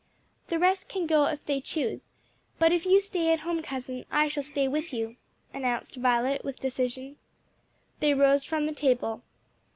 "The rest can go if they choose, but if you stay at home, cousin, I shall stay with you," announced Violet with decision. They rose from the table.